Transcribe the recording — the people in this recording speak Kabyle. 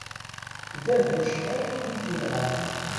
D bucḥiḍ i t-inɣan.